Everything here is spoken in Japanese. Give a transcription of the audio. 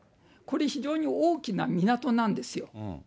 これ、非常に大きな港なんですよ。